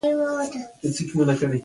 هغوی په مناسبو بیو آسونه تر لاسه کوي.